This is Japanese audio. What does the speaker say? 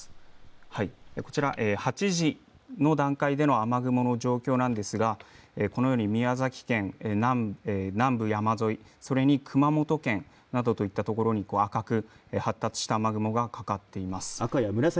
はい、こちら８時の段階での雨雲の状況なんですがこのように宮崎県南部山沿い、それに熊本県などといったところに赤く発達した雨雲がかかっています。